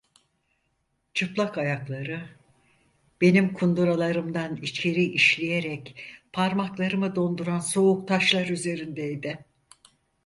Çıplak ayakları, benim kunduralarımdan içeri işleyerek parmaklarımı donduran soğuk taşlar üzerindeydi.